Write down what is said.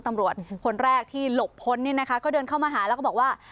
ตำรวจผลแรกที่หลบพ้นเขาเดินเข้ามาหาแล้วก็บอกว่า